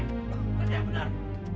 hei kerja yang benar